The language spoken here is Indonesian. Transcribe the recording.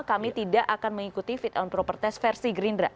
kami tidak akan mengikuti fit and proper test versi gerindra